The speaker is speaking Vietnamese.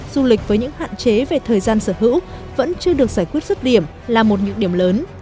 du lịch với những hạn chế về thời gian sở hữu vẫn chưa được giải quyết xuất điểm là một nhược điểm lớn